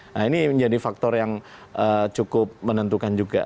nah ini menjadi faktor yang cukup menentukan juga